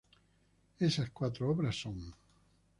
Esas cuatro obras son